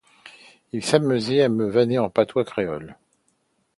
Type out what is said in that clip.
Il s'amusait à me vanner en patois créole.